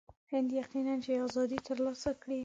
هند یقیناً چې آزادي ترلاسه کړي.